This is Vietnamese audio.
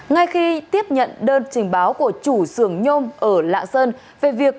ngay khi tiếp nhận đơn trình báo của chủ xưởng nhôm ở lạng sơn về việc